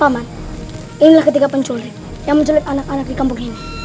inilah ketiga penculik yang menjelit anak anak di kampung ini